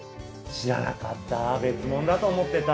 知らなかった。